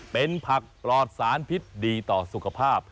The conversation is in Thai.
เป็นผักปลอดสารพิษดีต่อสุขภาพ